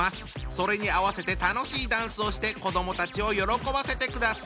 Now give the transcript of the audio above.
それに合わせて楽しいダンスをして子どもたちを喜ばせてください。